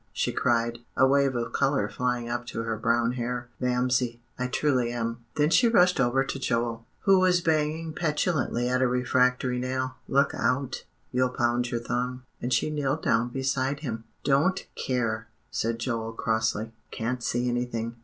she cried, a wave of color flying up to her brown hair, "Mamsie, I truly am." Then she rushed over to Joel, who was banging petulantly at a refractory nail, "Look out, you'll pound your thumb," and she kneeled down beside him. "Don't care," said Joel crossly; "can't see anything.